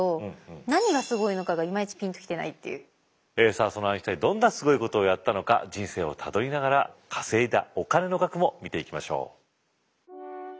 さあそのアインシュタインどんなすごいことをやったのか人生をたどりながら稼いだお金の額も見ていきましょう。